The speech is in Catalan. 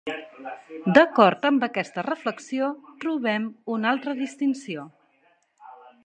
D’acord amb aquesta reflexió trobem una altra distinció.